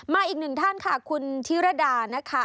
อีกหนึ่งท่านค่ะคุณธิรดานะคะ